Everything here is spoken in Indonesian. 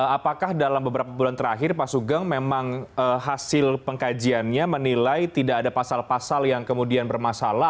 apakah dalam beberapa bulan terakhir pak sugeng memang hasil pengkajiannya menilai tidak ada pasal pasal yang kemudian bermasalah